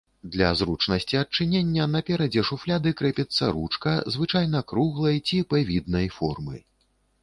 Для зручнасці адчынення, на перадзе шуфляды крэпіцца ручка, звычайна круглай ці п-віднай формы.